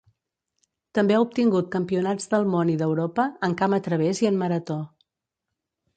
També ha obtingut campionats del món i d'Europa en Camp a través i en Marató.